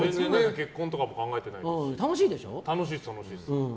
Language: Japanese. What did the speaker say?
結婚考えてないですし今、楽しいですよ。